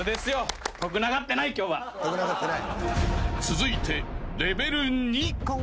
［続いてレベル２］